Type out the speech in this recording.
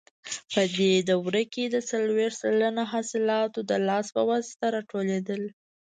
په دې دوره کې څلوېښت سلنه حاصلات د لاس په واسطه راټولېدل.